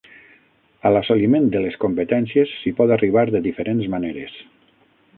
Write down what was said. A l'assoliment de les competències s'hi pot arribar de diferents maneres.